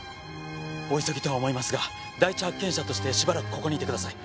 お急ぎとは思いますが第一発見者としてしばらくここにいてください。